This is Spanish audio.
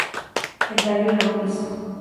El tallo es rojizo.